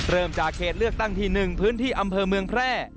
เริ่มจากเขตเลือกตั้งที่๑พื้นที่อำเภอเมืองแพร่